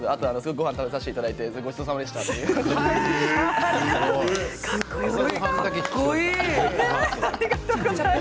ごはんを食べさせていただいてごちそうさまでしたと言いました。